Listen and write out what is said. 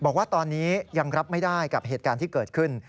บอกว่าตอนนี้ยังรับไม่ได้กับเหตุการณ์ที่เกิดขึ้น